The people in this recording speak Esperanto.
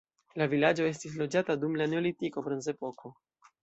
La vilaĝo estis loĝata dum la neolitiko bronzepoko.